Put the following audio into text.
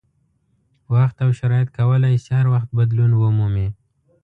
وخت او شرایط کولای شي هر وخت بدلون ومومي.